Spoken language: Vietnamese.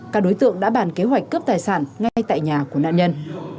các đối tượng đã bàn kế hoạch cướp tài sản ngay tại nhà của nạn nhân